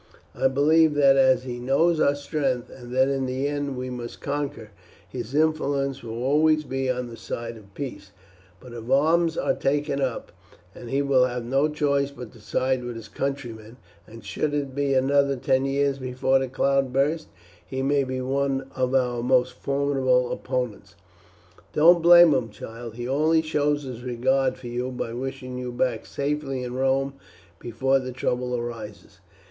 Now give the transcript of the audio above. I believe that as he knows our strength, and that in the end we must conquer, his influence will always be on the side of peace; but if arms are taken up he will have no choice but to side with his countrymen, and should it be another ten years before the cloud bursts, he may be one of our most formidable opponents. Don't blame him, child; he only shows his regard for you, by wishing you back safely in Rome before trouble arises."